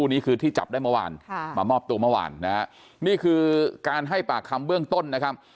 นี่คือที่จับได้เมื่อวานค่ะมามอบตัวเมื่อวานนะฮะนี่คือการให้ปากคำเบื้องต้นนะครับ